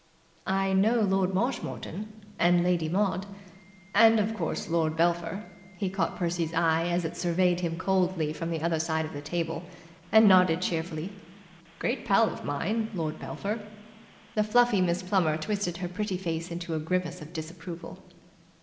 "I know Lord Marshmoreton. And Lady Maud. And, of course, Lord Belpher." He caught Percy's eye as it surveyed him coldly from the other side of the table, and nodded cheerfully. "Great pal of mine, Lord Belpher." The fluffy Miss Plummer twisted her pretty face into a grimace of disapproval.